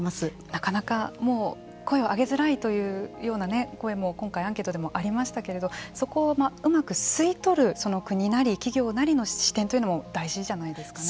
なかなか声を上げづらいというような声も今回アンケートでもありましたけれどそこをうまく吸い取るその国なり企業なりの視点というのも大事じゃないですかね。